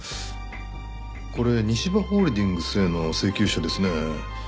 これ西葉ホールディングスへの請求書ですね。